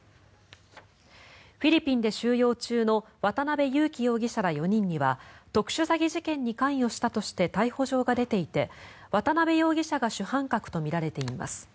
フィリピンで収容中の渡邉優樹容疑者ら４人には特殊詐欺事件に関与したとして逮捕状が出ていて渡邉容疑者が主犯格とみられています。